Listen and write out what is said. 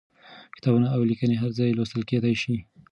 کتابونه او ليکنې هر ځای لوستل کېدای شي.